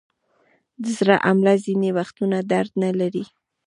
د زړه حمله ځینې وختونه درد نلري.